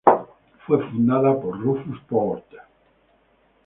Fue fundada por Rufus Porter.